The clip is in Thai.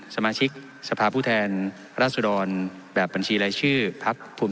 สมาชิกสภาพผู้แทนราชดรแบบบัญชีรายชื่อพักภูมิ